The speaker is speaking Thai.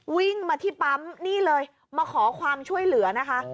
วิ่งมาที่ปั๊มนี่เลยมาขอความช่วยเหลือนะคะ